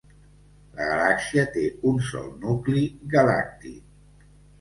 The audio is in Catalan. La galàxia té un sol nucli galàctic.